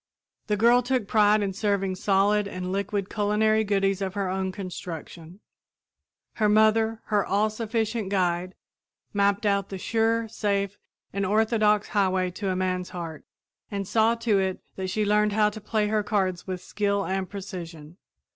The girl took pride in serving solid and liquid culinary goodies of her own construction. Her mother, her all sufficient guide, mapped out the sure, safe, and orthodox highway to a man's heart and saw to it that she learned how to play her cards with skill and precision.